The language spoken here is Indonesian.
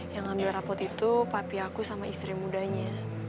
yang ambil rapot itu papi aku sama istri mudanya